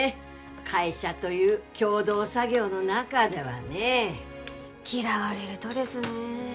会社という共同作業の中ではね嫌われるとですね